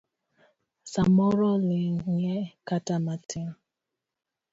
Samoro ling'ie kata matin.